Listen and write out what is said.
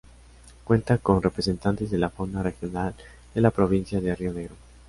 Cuenta con representantes de la fauna regional de la provincia de Río Negro.